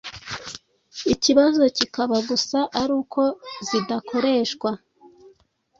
ikibazo kikaba gusa ari uko zidakoreshwa.